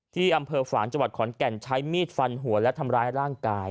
ที่อำเภอฝางจังหวัดขอนแก่นใช้มีดฟันหัวและทำร้ายร่างกาย